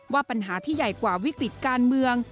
ว่าปัญหาที่ใหญ่กว่าวิกฤติการเมือง